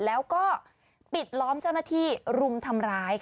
แล้วก็ปิดล้อมเจ้าหน้าที่รุมทำร้าย